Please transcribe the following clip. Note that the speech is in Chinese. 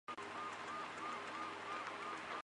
他的诗作也同时被希腊艺术家在其书中使用。